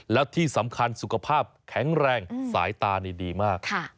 แล้วที่สำคัญสุขภาพแข็งแรงสายตานี่ดีมาก